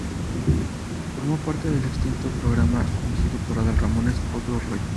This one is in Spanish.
Formó parte del extinto programa conducido por Adal Ramones "Otro rollo".